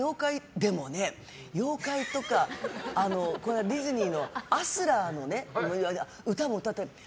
でもね、妖怪とかこのあいだディズニーのアースラの歌も歌って。